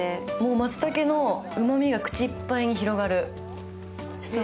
まつたけのうまみが口いっぱいに広がる。